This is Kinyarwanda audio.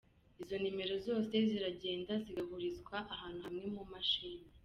Izo nimero zose ziragenda zigahurizwa ahantu hamwe mu mashini.